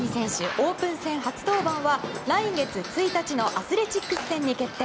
オープン戦初登板は、来月１日のアスレチックス戦に決定。